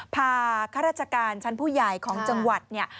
ข้าราชการชั้นผู้ใหญ่ของจังหวัดเนี่ย